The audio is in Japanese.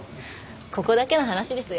ここだけの話ですよ？